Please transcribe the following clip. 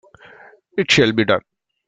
It shall be done!